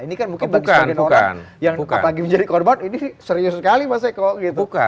ini kan mungkin bagi sebagian orang yang apalagi menjadi korban ini serius sekali mas eko gitu